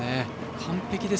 完璧です。